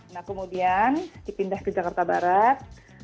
nah kemudian dipindah ke jakarta barat